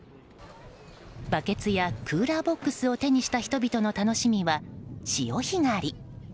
バケツやクーラーボックスを手にした人々の楽しみは潮干狩り。